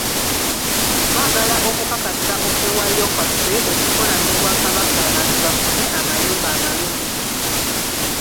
Twagala okukakasa okwewaayo kwaffe okukola n’Obwakabaka abantu bafune amayumba amalungi.